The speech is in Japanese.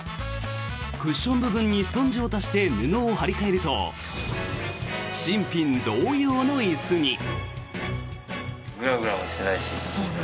クッション部分にスポンジを足して布を張り替えると新品同様の椅子に。